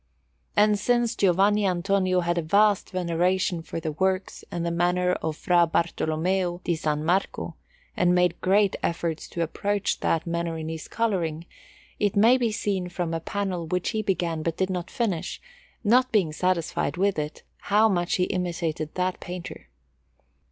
And since Giovanni Antonio had a vast veneration for the works and the manner of Fra Bartolommeo di San Marco, and made great efforts to approach that manner in his colouring, it may be seen from a panel which he began but did not finish, not being satisfied with it, how much he imitated that painter.